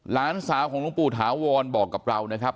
หลานสาวของหลวงปู่ถาวรบอกกับเรานะครับ